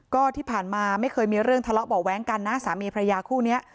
ก็ที่ผ่านมาไม่เคยมีเรื่องทะเลาะเบาะแว้งกันนะสามีพระยาคู่นี้